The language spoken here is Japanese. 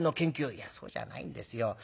「いやそうじゃないんですよ。